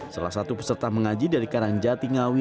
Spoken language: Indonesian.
salah satu peserta mengaji dari karangjati ngawi